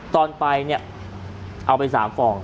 ตอนไปเนี่ยเอาไป๓ฟอง